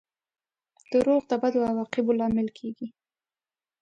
• دروغ د بدو عواقبو لامل کیږي.